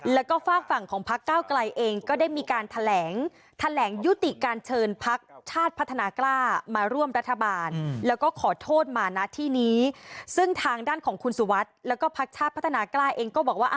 แล้วก็ฝากฝั่งของภักดิ์เก้าไกรเอง